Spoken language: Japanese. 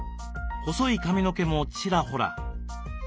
細い髪の毛もちらほら。